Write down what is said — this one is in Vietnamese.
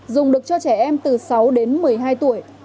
dùng được cho trẻ em từ sáu đến một mươi hai tuổi